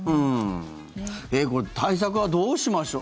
これ、対策はどうしましょう。